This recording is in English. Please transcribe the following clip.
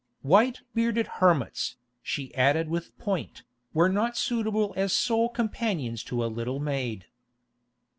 "White bearded hermits," she added with point, "were not suitable as sole companions to a little maid."